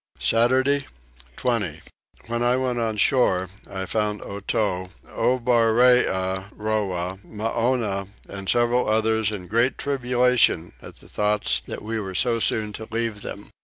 Saturday 20. When I went on shore I found Otow, Oberree roah, Moannah, and several others in great tribulation at the thoughts that we were so soon to leave them.